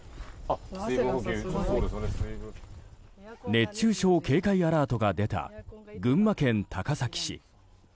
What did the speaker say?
熱中症警戒アラートが出た群馬県高崎市。